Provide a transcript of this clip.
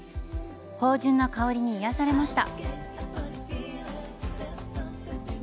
芳じゅんな香りに癒やされました。